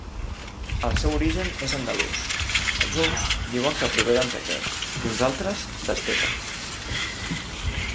El seu origen és andalús; els uns diuen que prové d'Antequera i uns altres, d'Estepa.